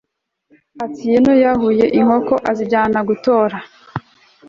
atieno yakuye inkoko, azijyana gutora